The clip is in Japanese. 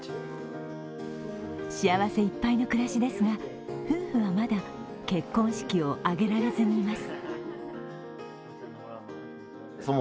幸せいっぱいの暮らしですが、夫婦はまだ結婚式を挙げられずにいます。